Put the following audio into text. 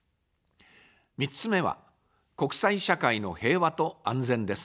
３つ目は、国際社会の平和と安全です。